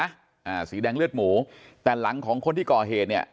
อ่าสีแดงเลือดหมูแต่หลังของคนที่ก่อเหตุเนี้ย